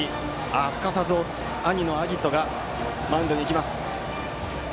すかさず兄の晶音がマウンドに行きます。